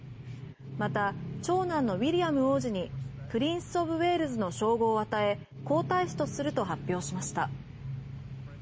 また、長男のウィリアム王子にプリンス・オブ・ウェールズの称号を与え皇太子とすると発表しました。